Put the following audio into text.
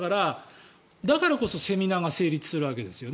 だからこそセミナーが成立するわけですよ。